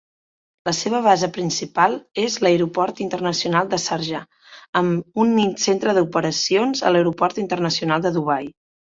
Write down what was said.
La seva base principal és l'aeroport internacional de Sharjah, amb un centre d'operacions a l'aeroport internacional de Dubai.